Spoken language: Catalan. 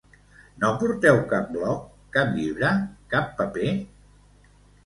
No porteu cap bloc, cap llibre, cap paper?